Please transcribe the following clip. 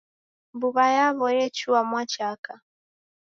Mbuw'a yaw'o yechua mwachaka.